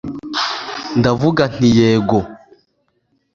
ndavuga ntiyego